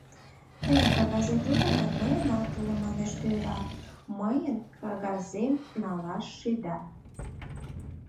Тыйын кагазет уло гын, мыйынат уло, манеш тӧра, мыйын кагазем налаш шӱда...